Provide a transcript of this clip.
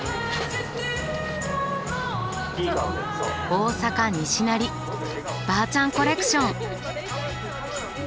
「大阪・西成ばあちゃんコレクション！！」。